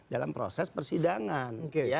dalam proses persidangan